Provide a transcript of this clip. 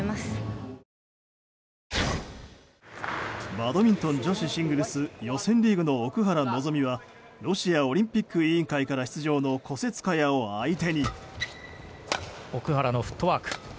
バドミントン女子シングルス予選リーグの奥原希望はロシアオリンピック委員会から出場のコセツカヤを相手に。